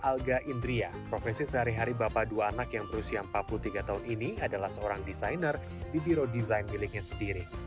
alga indria profesi sehari hari bapak dua anak yang berusia empat puluh tiga tahun ini adalah seorang desainer di biro desain miliknya sendiri